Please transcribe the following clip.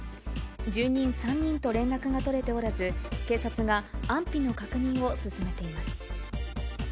住人３人と連絡が取れておらず、警察が安否の確認を進めています。